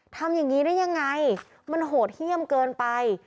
ทำอย่างนี้ได้ยังไงมันโหดเยี่ยมเกินไป